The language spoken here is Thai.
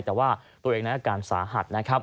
แต่ว่าตัวเองนั้นอาการสาหัส